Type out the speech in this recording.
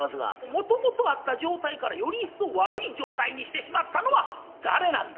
もともとあった状態からよりいっそう悪い状態にしてしまったのは誰なんだ？